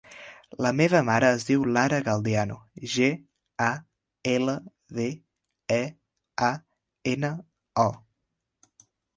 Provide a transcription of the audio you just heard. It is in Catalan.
La meva mare es diu Lara Galdeano: ge, a, ela, de, e, a, ena, o.